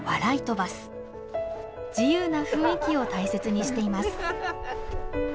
自由な雰囲気を大切にしています。